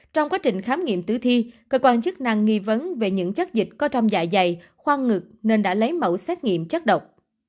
trong quá trình khám nghiệm tử thi cơ quan chức năng nghi vấn về những chất dịch có trong dạ dày khoan ngực nên đã lấy mẫu xét nghiệm chất độc